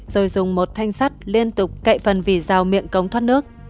rồi dùng một thanh sắt liên tục cậy phần vì rào miệng cống thoát nước